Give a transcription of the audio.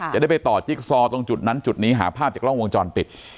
จะได้ไปต่อจิ๊กซอตรงจุดนั้นจุดนี้หาภาพจากกล้องวงจรปิด